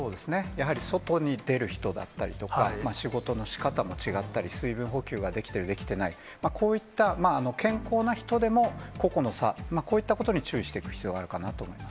やっぱり外に出る人だったりとか、仕事のしかたも違ったり、水分補給ができてる、できてない、こういった健康な人でも、個々の差、こういったことに注意していく必要があるかなと思います。